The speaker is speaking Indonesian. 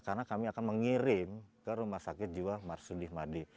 karena kami akan mengirim ke rumah sakit jiwa marsudi madi